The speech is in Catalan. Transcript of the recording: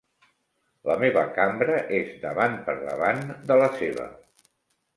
La meva cambra és davant per davant de la seva.